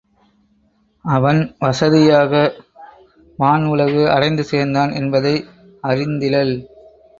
அவன் வசதியாக வான் உலகு அடைந்து சேர்ந்தான் என்பதை அறிந்திலள்.